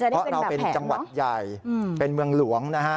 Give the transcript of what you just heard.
เพราะเราเป็นจังหวัดใหญ่เป็นเมืองหลวงนะฮะ